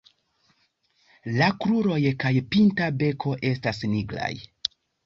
La kruroj kaj pinta beko estas nigraj.